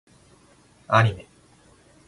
アニメ